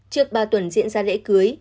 trước ba tuần diễn ra lễ cưới